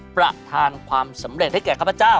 ประธานความสำเร็จให้แก่ข้าพเจ้า